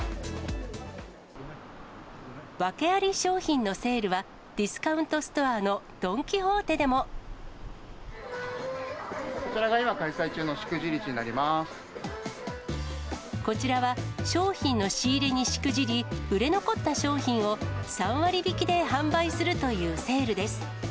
訳あり商品のセールは、ディスカウントストアのドン・キホーテでこちらが今、こちらは、商品の仕入れにしくじり、売れ残った商品を３割引きで販売するというセールです。